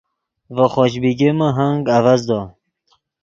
ڤے خوش بیگمے ہنگ اڤزدو